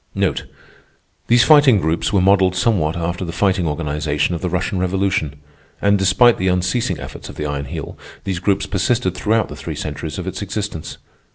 These Fighting groups were modelled somewhat after the Fighting Organization of the Russian Revolution, and, despite the unceasing efforts of the Iron Heel, these groups persisted throughout the three centuries of its existence.